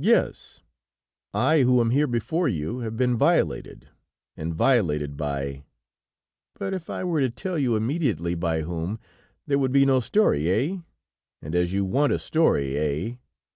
"Yes, I who am here before you have been violated, and violated by!... But if I were to tell you immediately by whom, there would be no story, eh? And as you want a story, eh?